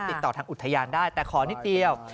ติดต่อทางอุทยานได้แต่ขอนิดเดียว